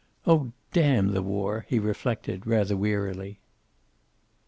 "Oh, damn the war," he reflected rather wearily.